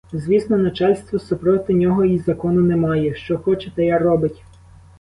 Звісно, начальство: супроти нього й закону немає, що хоче, те й робить.